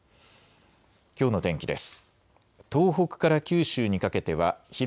きょうの天気です。